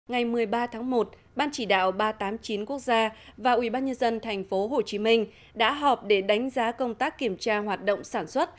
ngày một mươi ba tháng một ban chỉ đạo ba trăm tám mươi chín quốc gia và ubnd tp hcm đã họp để đánh giá công tác kiểm tra hoạt động sản xuất